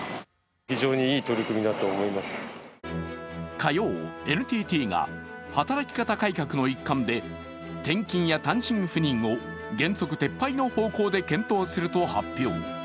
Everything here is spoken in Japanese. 火曜、ＮＴＴが働き方改革の一環で転勤や単身赴任を原則撤廃の方向で検討すると発表。